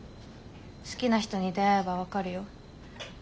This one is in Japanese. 「好きな人に出会えば分かるよ」